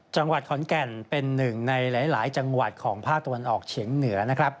จังหวัดขอนแก่นเป็นหนึ่งในหลายจังหวัดของภาคตะวันออกเฉียงเหนือนะครับ